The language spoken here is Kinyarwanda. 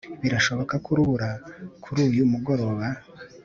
birashoboka ko urubura kuri uyu mugoroba